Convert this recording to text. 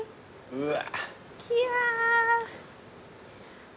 うわ。